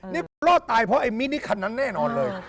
นี่รอดตายเพราะไอ้มินิคันนั้นแน่นอนเลย